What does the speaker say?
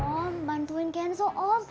om bantuin kenzo om